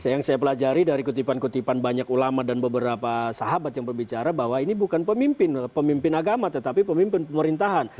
yang saya pelajari dari kutipan kutipan banyak ulama dan beberapa sahabat yang berbicara bahwa ini bukan pemimpin agama tetapi pemimpin pemerintahan